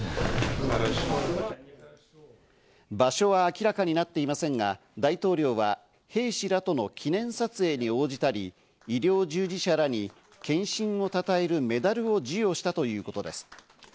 場所は明らかになっていませんが、大統領は兵士らとの記念撮影に応じたり、医療従事者らに献身をたたえるメダルを授与したということです。